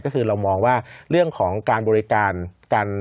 ก็คือเรามองว่าเรื่องของการบริการ